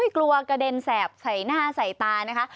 กลัวกระเด็นแสบใส่หน้าใส่ตานะคะ